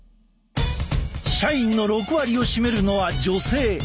社員の６割を占めるのは女性。